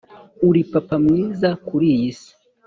uri papa mwiza kuriyi si